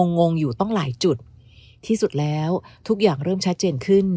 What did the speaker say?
งงอยู่ตั้งหลายจุดที่สุดแล้วทุกอย่างเริ่มชัดเจนขึ้น